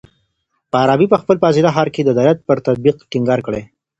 فارابي په خپل فاضله ښار کي د عدالت پر تطبيق ټينګار کړی.